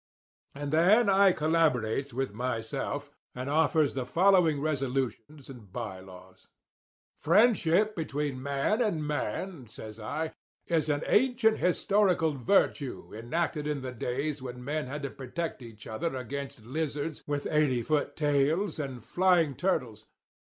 "And then I collaborates with myself, and offers the following resolutions and by laws: "'Friendship between man and man,' says I, 'is an ancient historical virtue enacted in the days when men had to protect each other against lizards with eighty foot tails and flying turtles.